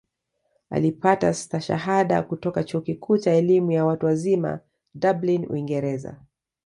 Alipata Stashahada kutoka Chuo Kikuu cha Elimu ya Watu Wazima Dublin Uingereza